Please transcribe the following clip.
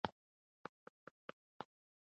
پېیر کوري ولې خپل تمرکز په ماري کې واچاوه؟